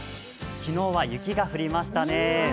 昨日は雪が降りましたね。